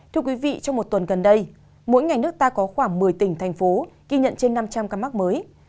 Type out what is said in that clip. thưa quý vị trong một tuần gần đây mỗi ngày nước ta có khoảng một mươi tỉnh thành phố ghi nhận trên năm trăm linh ca mắc mới